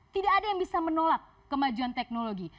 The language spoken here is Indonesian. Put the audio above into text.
tidak ada yang bisa menolak kemajuan teknologi